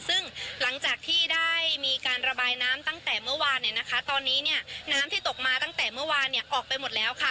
ซึ่งหลังจากที่ได้มีการระบายน้ำตั้งแต่เมื่อวานเนี่ยนะคะตอนนี้เนี่ยน้ำที่ตกมาตั้งแต่เมื่อวานออกไปหมดแล้วค่ะ